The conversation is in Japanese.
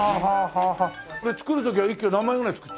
これ作る時は一気に何枚ぐらい作っちゃうの？